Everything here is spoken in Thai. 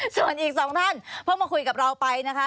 ส่วนอีกสองท่านเพิ่งมาคุยกับเราไปนะคะ